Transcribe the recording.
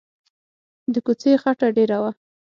د کوڅې خټه ډېره وه.